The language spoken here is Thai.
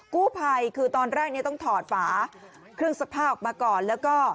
กู้ภัยคือตอนแรกเนี่ยต้องถอดฝาเครื่องซักผ้าออกมาก่อนแล้วก็